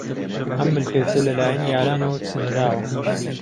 ئەم ملپێچە لەلایەن یارانەوە چنراوە.